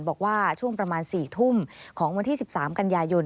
บอกว่าช่วงประมาณ๔ทุ่มของวันที่๑๓กันยายน